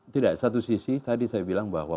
tidak satu sisi tadi saya bilang bahwa